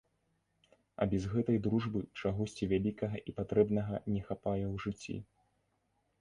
А без гэтай дружбы чагосьці вялікага і патрэбнага не хапае ў жыцці.